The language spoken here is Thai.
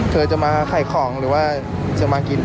เธอจะมาขายของหรือว่าจะมากิน